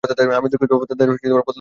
আমি দুঃখিত পাপ্পা, তাদের বদলাতে হবে।